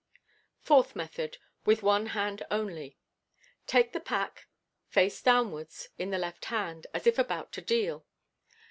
Fourth Method. (With one hand only.) — Take the pack, face downwards, in the left hand, as if about to deal.